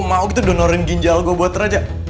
lo pikir gue mau gitu donorin ginjal gue buat raja